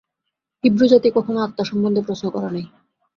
হিব্রুজাতি কখনও আত্মা সম্বন্ধে প্রশ্ন করে নাই।